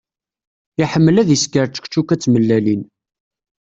Iḥemmel ad isker čekčuka d tmellalin.